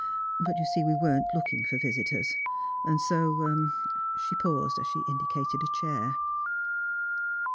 But you see we weren't looking for visitors, and so " She paused as she indicated a chair.